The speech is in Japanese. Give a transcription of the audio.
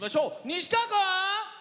西川君！